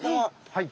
はい。